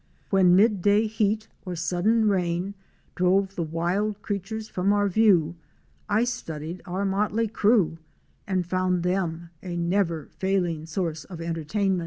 When midday heat or sudden rain drove the wild creatures from our view I studied our motley crew and found them a_never failing source of entertainment.